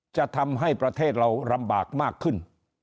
จะทำให้ประเทศเราลำบากมากขึ้น